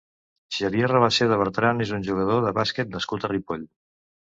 Xavier Rabaseda Bertran és un jugador de bàsquet nascut a Ripoll.